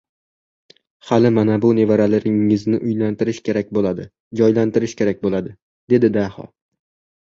— Hali mana bu nevaralaringizni uylantirish kerak bo‘ladi, joylantirish kerak bo‘ladi! — dedi Daho.